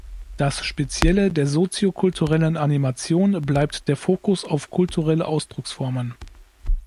Das Spezielle der Soziokulturellen Animation bleibt der Fokus auf kulturelle Ausdrucksformen.